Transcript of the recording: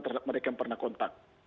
terhadap mereka yang pernah kontak